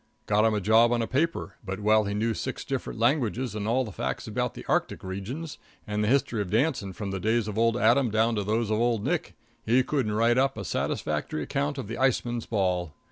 Got him a job on a paper, but while he knew six different languages and all the facts about the Arctic regions, and the history of dancing from the days of Old Adam down to those of Old Nick, he couldn't write up a satisfactory account of the Ice Men's Ball.